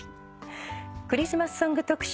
クリスマスソング特集